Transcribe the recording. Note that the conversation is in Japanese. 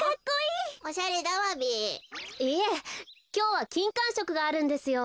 いえきょうはきんかんしょくがあるんですよ。